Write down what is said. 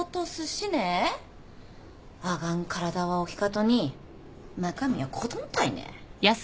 あがん体は大きかとに中身は子どんたいね。